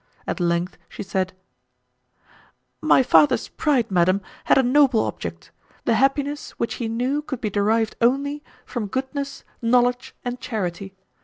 At length she said, "My father's pride, Madam, had a noble object—the happiness which he knew could be derived only from goodness, knowledge and charity.